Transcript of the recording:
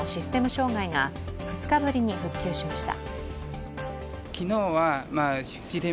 障害が２日ぶりに復旧しました。